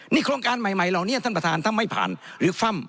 นี่โครงการใหม่เหล่านี้ท่านประธานถ้าไม่ผ่านหรือฟ่ำ